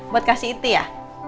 buat kasih it ya